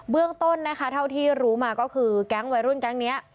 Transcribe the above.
เรื่องต้นนะคะเท่าที่รู้มาก็คือแก๊งวัยรุ่นแก๊งนี้